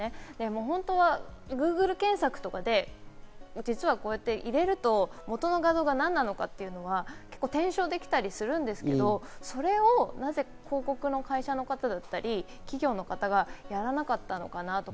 本当はＧｏｏｇｌｅ検索とかで、実はこうやって入れると、元の画像が何なのかというのは検証できたりするんですけど、それをなぜ広告の会社だったり、企業の方がやらなかったのかなと。